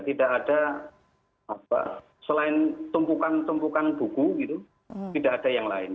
tidak ada selain tumpukan tumpukan buku gitu tidak ada yang lain